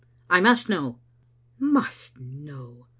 "I must know." "Must know!